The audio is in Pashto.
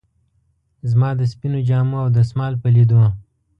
زما د سپینو جامو او دستمال په لیدو.